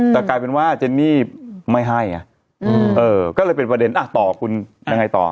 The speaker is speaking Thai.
แต่กลายเป็นว่าเจนนี่ไม่ให้ไงก็เลยเป็นประเด็นอ่ะต่อคุณยังไงต่อ